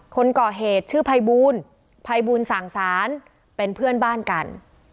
คนก่อเหตุชื่อภัยบูลภัยบูลสั่งสารเป็นเพื่อนบ้านกัน